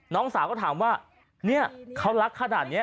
น้องสาวก็ถามว่าเนี่ยเขารักขนาดนี้